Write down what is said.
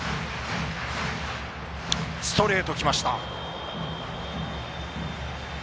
ストレートきました。